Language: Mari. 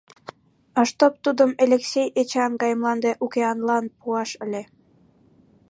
А чтоб тудым Элексей Эчан гай мланде укеанлан пуаш ыле.